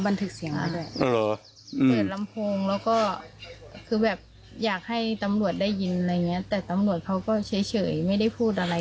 เปิดลำโพงอยากให้ตำรวจได้ยินอะไรเงี้ยแต่ตำรวจเค้าก็เฉยไม่ได้พูดอะไร